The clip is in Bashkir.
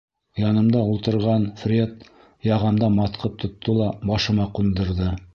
-Янымда ултырған Фред яғамдан матҡып тотто ла башыма ҡундырҙы.